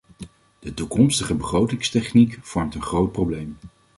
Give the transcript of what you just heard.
De toekomstige begrotingstechniek vormt een groot probleem.